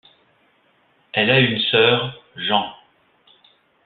Elle a une sœur, Jean.